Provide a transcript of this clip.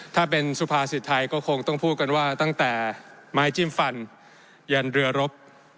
ถ้าเป็นสุภาษิตไทยก็คงต้องพูดกันว่าตั้งแต่ไม้จิ้มฟันยันเรือรบ